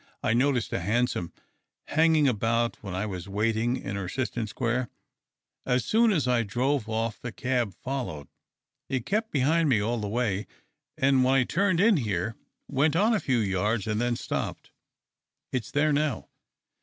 I noticed a hansom hanging about when I was waiting in Erciston Square. As soon as I drove off the cab followed. It kept behind me all the way, and when I turned in here, went on a few yards and then stopped. It's there now."